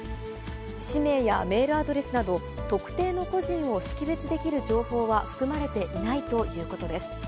氏名やメールアドレスなど、特定の個人を識別できる情報は含まれていないということです。